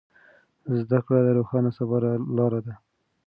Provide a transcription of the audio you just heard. زده کړه د روښانه سبا لاره ده.